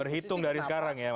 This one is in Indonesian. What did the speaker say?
berhitung dari sekarang ya